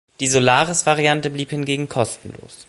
Die Solaris-Variante blieb hingegen kostenlos.